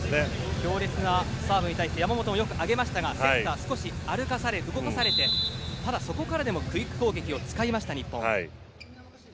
強烈なサーブに対して山本もよく上げましたがセッター、少し歩かされ動かされてただ、そこからでもクイック攻撃を使いました、日本。